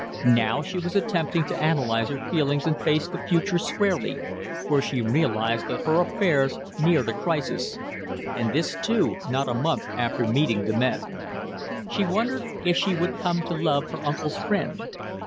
Now she was attempting to analyze her feelings and face the future squarely, for she realized that her affairs neared a crisis, and this, too, not a month after meeting the men. She wondered if she would come to love her uncle's friend.